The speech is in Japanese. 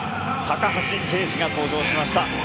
高橋奎二が登場しました。